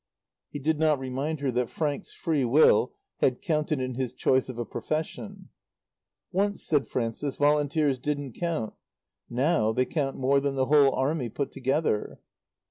He did not remind her that Frank's free will had counted in his choice of a profession. "Once," said Frances, "volunteers didn't count. Now they count more than the whole Army put together."